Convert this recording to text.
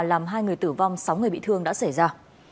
làm hai người tử vong sáu người bị thương đã xảy ra